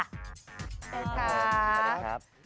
สวัสดีครับ